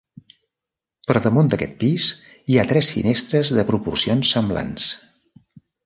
Per damunt d'aquest pis hi ha tres finestres de proporcions semblants.